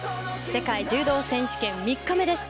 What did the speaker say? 世界柔道選手権、３日目です。